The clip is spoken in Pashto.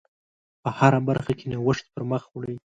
په هره برخه کې نوښت پر مخ وړئ.